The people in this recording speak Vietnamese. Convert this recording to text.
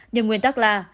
nhưng nguyên tắc là